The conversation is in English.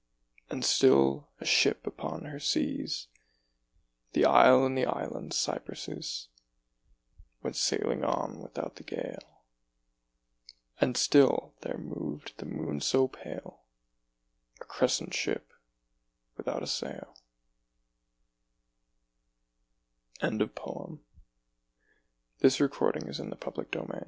And still, a ship upon her seas. The isle and the island cypresses Went sailing on without the gale : And still there moved the moon so pale, A crescent ship without a sail ' I7S Oak and Olive \ Though I was born a London